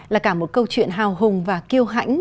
là cả một câu chuyện hào hùng và kêu hãnh